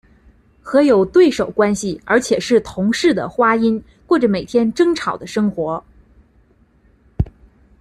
和有对手关系而且是同室的花音过着每天争吵的生活。